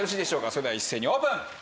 それでは一斉にオープン！